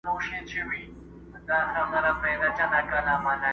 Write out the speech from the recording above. څوک چي وبا نه مني توره بلا نه مني!!